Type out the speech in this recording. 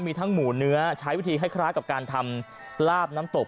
มีทั้งหมูเนื้อใช้วิธีให้คล้ายกับการทำลาบน้ำตก